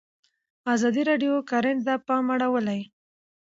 ازادي راډیو د کرهنه ته پام اړولی.